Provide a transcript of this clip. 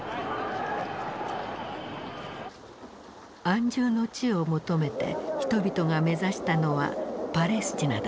安住の地を求めて人々が目指したのはパレスチナだった。